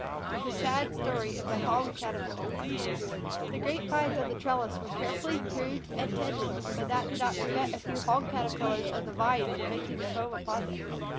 THE SAD STORY OF THE HOG CATERPILLAR THE grape vines on the trellis were carefully pruned and tended, but that did not prevent a few Hog Caterpillars of the Vine from making their home upon them.